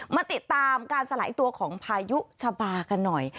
มาติดตามการสลายตัวของพายุชะบากันหน่อย